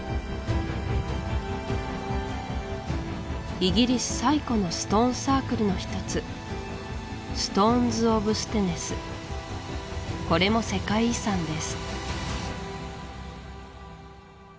イギリス最古のストーンサークルの一つこれも世界遺産です